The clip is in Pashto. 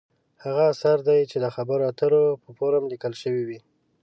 هغه اثر دی چې د خبرو اترو په فورم لیکل شوې وي.